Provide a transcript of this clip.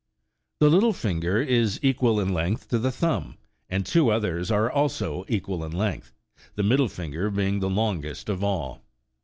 The little finger is equal in length to the thumb, and two others are also equal in length, the middle finger being the longest of all.